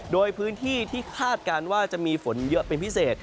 โดยพื้นที่ที่คาดการณ์ว่าจะมีฝนเยอะเป็นพิเศษ